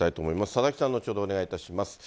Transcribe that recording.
佐々木さん、後ほどお願いいたします。